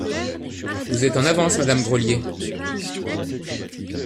Vous êtes en avance, madame Grelier.